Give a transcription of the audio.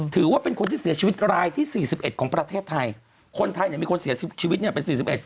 ถือว่าเป็นคนที่เสียชีวิตรายที่สี่สิบเอ็ดของประเทศไทยคนไทยเนี่ยมีคนเสียชีวิตเนี่ยเป็นสี่สิบเอ็ด